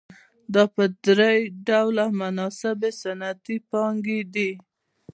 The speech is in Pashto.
دا په درې ډوله مناسبې صنعتي پانګې دي